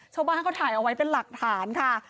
ชาวบ้านเขาถ่ายเอาไว้เป็นหลักฐานค่ะ